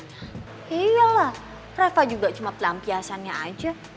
ya iyalah reva juga cuma pelampiasannya aja